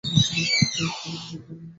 সে স্টেশনের দিকে চলে গেছে।